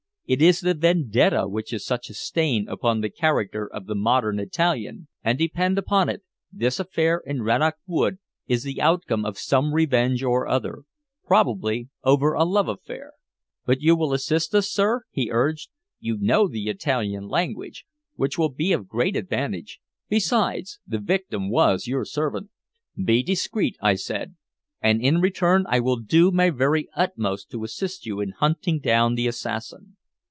"It is the vendetta which is such a stain upon the character of the modern Italian; and depend upon it this affair in Rannoch Wood is the outcome of some revenge or other probably over a love affair." "But you will assist us, sir?" he urged. "You know the Italian language, which will be of great advantage; besides, the victim was your servant." "Be discreet," I said. "And in return I will do my very utmost to assist you in hunting down the assassin."